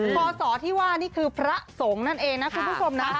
พศที่ว่านี่คือพระสงฆ์นั่นเองนะคุณผู้ชมนะ